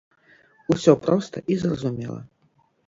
Усё проста і зразумела!